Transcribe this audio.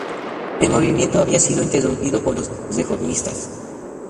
El movimiento había sido interrumpido por los reformistas.